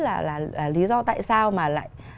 là lý do tại sao mà lại